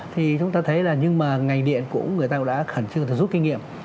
thì chúng ta thấy là nhưng mà ngành điện cũng người ta đã khẩn trương rút kinh nghiệm